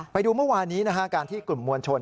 ไปดูเมื่อวานนี้นะฮะการที่กลุ่มมวลชน